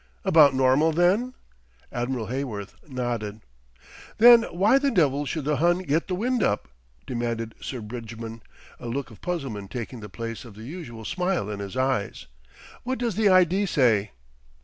"About normal, then?" Admiral Heyworth nodded. "Then why the devil should the Hun get the wind up?" demanded Sir Bridgman, a look of puzzlement taking the place of the usual smile in his eyes. "What does the I.D. say?"